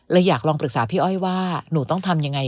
และอยากลองรักษาโธว์ว่านรู้ต้องทำยังไง